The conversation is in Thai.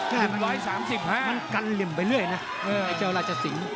มันกันร้อยสามสิบห้ามันกันเหลี่ยมไปเรื่อยนะไอ้เจ้าราชสิงห์